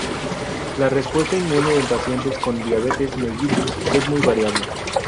La respuesta inmune en pacientes con diabetes Mellitus es muy variable.